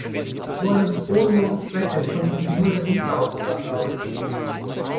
So eine bodenlose Frechheit konnte sich nur der Winzer ausgedacht haben.